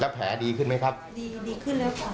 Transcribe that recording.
แผลดีขึ้นไหมครับดีดีขึ้นแล้วค่ะ